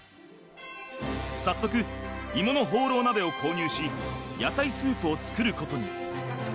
早速鋳物ホーロー鍋を購入し野菜スープを作ることに。